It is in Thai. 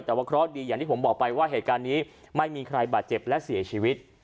แต่ว่าเคราะห์ดีอย่างที่ผมบอกไปว่าเหตุการณ์นี้ไม่มีใครบาดเจ็บและเสียชีวิต